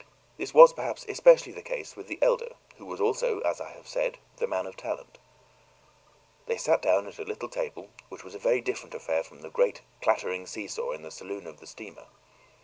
This was, perhaps, especially the case with the elder, who was also, as I have said, the man of talent. They sat down at a little table, which was a very different affair from the great clattering seesaw in the saloon of the steamer.